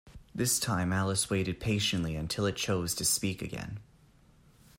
This time Alice waited patiently until it chose to speak again.